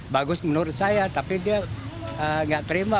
bagus menurut saya tapi dia nggak terima